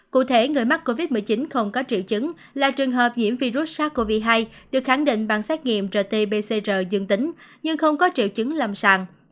cụ thể người mắc covid một mươi chín không có triệu chứng là trường hợp nhiễm virus sars cov hai được khẳng định bằng xét nghiệm rt pcr dương tính nhưng không có triệu chứng lầm sàng